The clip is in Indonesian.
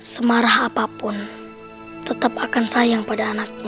semarah apapun tetap akan sayangkan kaki